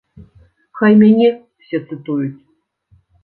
Хай мяне ўсе цытуюць.